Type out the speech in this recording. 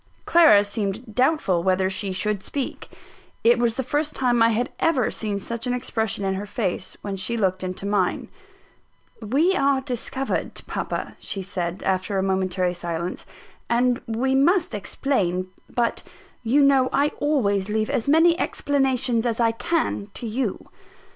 Clara seemed doubtful whether she should speak. It was the first time I had ever seen such an expression in her face, when she looked into mine. "We are discovered, papa," she said, after a momentary silence, "and we must explain: but you know I always leave as many explanations as I can to you."